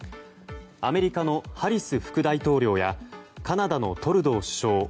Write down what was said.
アメリカのハリス副大統領やカナダのトルドー首相